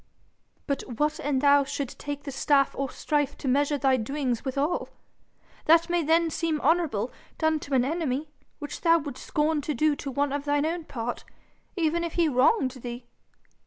'But what an' thou should take the staff of strife to measure thy doings withal? That may then seem honourable, done to an enemy, which thou would scorn to do to one of thine own part, even if he wronged thee.'